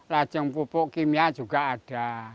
lajeng pupuk kimia juga ada